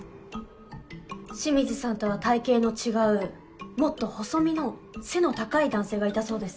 清水さんとは体型の違うもっと細身の背の高い男性がいたそうです。